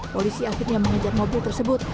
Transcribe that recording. polisi akhirnya mengejar mobil tersebut